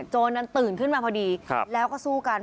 โจรนั้นตื่นขึ้นมาพอดีแล้วก็สู้กัน